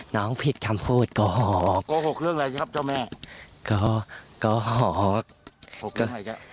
น้องผิดคำพูดโกหกโกหกเรื่องอะไรสิครับเจ้าแม่ก็โกหกโกหกเรื่องอะไรจ้ะ